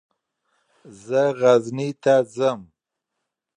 زه غزني ته ځم.